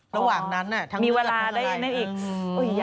ระหว่างนั้นมีเวลาได้อีก